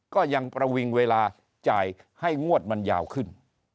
ก็ยังประวิงเวลาจ่ายให้งวดมันยาวขึ้น